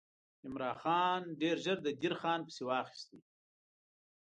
عمرا خان ډېر ژر د دیر خان پسې واخیست.